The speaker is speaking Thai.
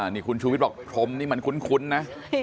นี่คุณชูวิทย์บอกพรมนี่มันคุ้นนะ